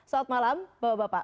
salam malam bapak bapak